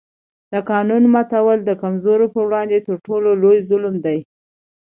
د قانون ماتول د کمزورو پر وړاندې تر ټولو لوی ظلم دی